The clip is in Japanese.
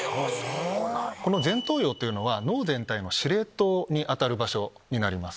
この前頭葉というのは脳全体の司令塔にあたる場所になります。